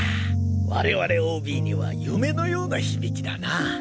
我々ＯＢには夢のような響きだなァ。